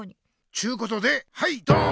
ちゅうことではいドーン！